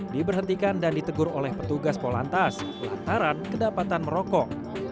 diberhentikan dan ditegur oleh petugas polantas lantaran kedapatan merokok